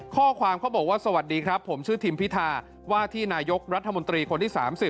ข้อความเขาบอกว่าสวัสดีครับผมชื่อทิมพิธาว่าที่นายกรัฐมนตรีคนที่๓๐